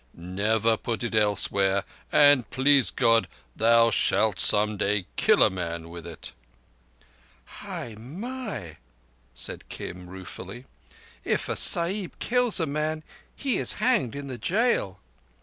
Never put it elsewhere, and please God, thou shalt some day kill a man with it." "Hai mai!" said Kim ruefully. "If a Sahib kills a man he is hanged in the jail."